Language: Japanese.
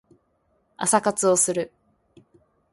朝活をする